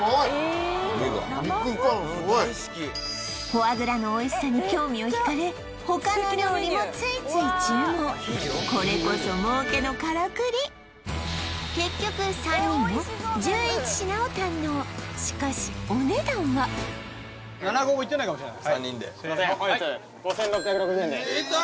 フォアグラのおいしさに興味をひかれ他の料理もついつい注文結局３人も１１品を堪能しかしお値段は３人ですいません出た！